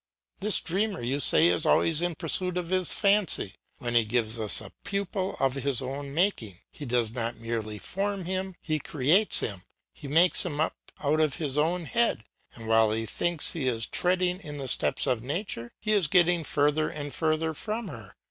This dreamer, you say, is always in pursuit of his fancy; when he gives us a pupil of his own making, he does not merely form him, he creates him, he makes him up out of his own head; and while he thinks he is treading in the steps of nature, he is getting further and further from her.